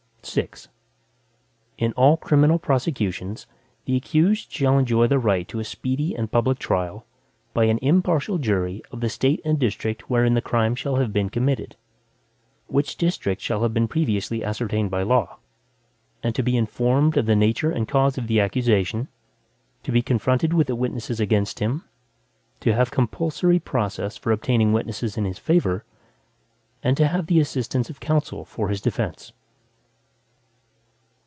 VI In all criminal prosecutions, the accused shall enjoy the right to a speedy and public trial, by an impartial jury of the State and district wherein the crime shall have been committed, which district shall have been previously ascertained by law, and to be informed of the nature and cause of the accusation; to be confronted with the witnesses against him; to have compulsory process for obtaining witnesses in his favor, and to have the assistance of counsel for his defense.